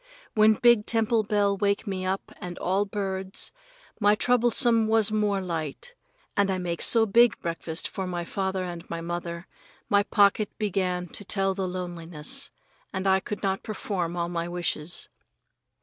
When big temple bell wake me up and all birds, my troublesome was more light, and I make so big breakfast for my father and my mother, my pocket began to tell the loneliness, and I could not perform all my wishes.